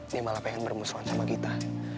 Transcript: dia malah pengen bermusuhan sama kita